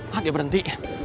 hah dia berhenti